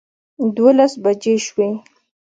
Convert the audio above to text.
دولس بجې شوې.